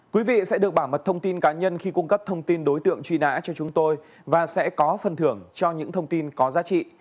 quý vị sẽ được bảo mật thông tin cá nhân khi cung cấp thông tin đối tượng truy nã cho chúng tôi và sẽ có phần thưởng cho những thông tin có giá trị